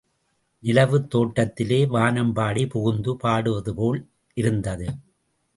நிலவுத் தோட்டத்திலே வானம்பாடி புகுந்து பாடுவதுபோல் இருந்தது.